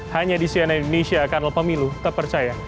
hanya di cnn indonesia kanal pemilu terpercaya